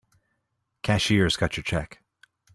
Cashier's got your check.